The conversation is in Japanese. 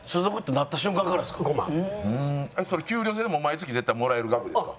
それ給料制でも毎月絶対もらえる額ですか？